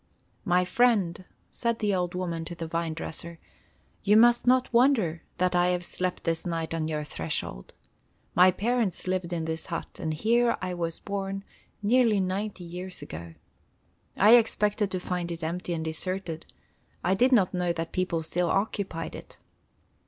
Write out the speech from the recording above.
"My friend," said the old woman to the vine dresser, "you must not wonder that I have slept this night on your threshold. My parents lived in this hut, and here I was born nearly ninety years ago. I expected to find it empty and deserted. I did not know that people still occupied it."